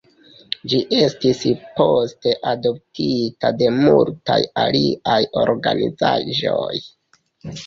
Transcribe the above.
Ĝi estis poste adoptita de multaj aliaj organizaĵoj.